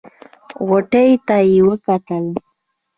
غونډۍ ته يې وکتل.